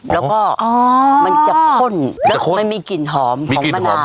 อ๋ออ๋อมันน้ำมันจะข้นแล้วมันนิยมมีกลิ่นหอมของมะนาว